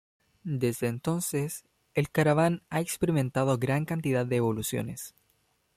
Desde entonces, el Caravan ha experimentado gran cantidad de evoluciones.